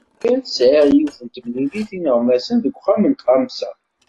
Imir sɛiɣ yiwet temlilit d yineɣmasen deg uxxam n tɣamsa.